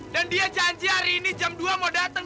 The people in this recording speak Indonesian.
dan dia janji hari ini jam dua mau dateng